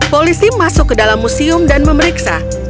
polisi masuk ke dalam museum dan memeriksa